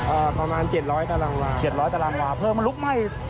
อ่าประมาณ๗๐๐ตารางวา๗๐๐ตารางวาเพิ่มมันลุกไหม